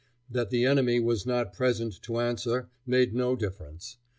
That the enemy was not present to answer made no difference.